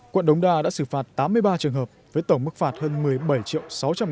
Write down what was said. quận đống đa đã xử phạt tám mươi ba trường hợp với tổng mức phạt hơn một mươi bảy triệu sáu trăm linh